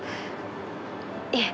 いえ